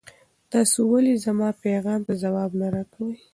تاسو ولې زما پیغام ته ځواب نه راکوئ؟